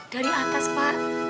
dari atas pak